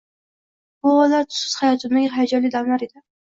Bu onlar tussiz hayotimning hayajonli damlari edi